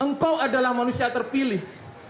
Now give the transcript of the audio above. engkau adalah manusia terpilih